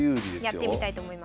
やってみたいと思います。